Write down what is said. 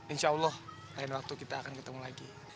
insya allah lain waktu kita akan ketemu lagi